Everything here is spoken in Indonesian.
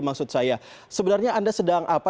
maksud saya sebenarnya anda sedang apa